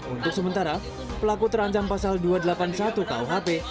untuk sementara pelaku terancam pasal dua ratus delapan puluh satu kuhp